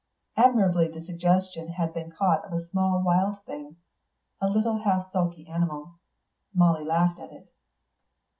Admirably the suggestion had been caught of a small wild thing, a little half sulky animal. Molly laughed at it.